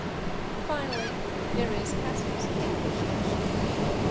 Finally, there is Cassell's English Dictionary.